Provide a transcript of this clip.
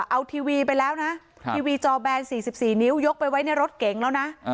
เอาทีวีไปแล้วนะทีวีจอแบน๔๔นิ้วยกไปไว้ในรถเก๋งแล้วนะ